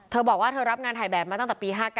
เธอบอกว่าเธอรับงานถ่ายแบบมาตั้งแต่ปี๕๙